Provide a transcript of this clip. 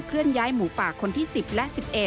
เลื่อนย้ายหมูป่าคนที่๑๐และ๑๑